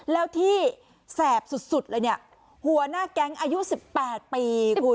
แล้วที่แสบสุดเลยเนี่ยหัวหน้าแก๊งอายุ๑๘ปีคุณ